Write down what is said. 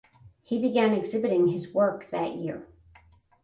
He began exhibiting his work that year.